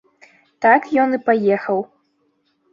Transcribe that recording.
Так ён і паехаў.